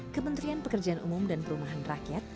kementerian pekerjaan umum dan perumahan rakyat